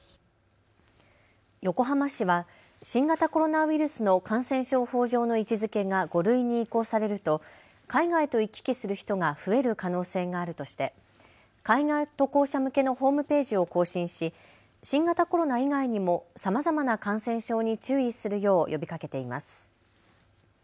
横浜市は新型コロナウイルスの感染症法上の位置づけが５類に移行されると海外と行き来する人が増える可能性があるとして海外渡航者向けのホームページを更新し新型コロナ以外にもさまざまな感染症に注意するよう呼びかけています。